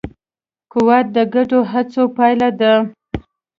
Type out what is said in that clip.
قوت د ګډو هڅو پایله ده.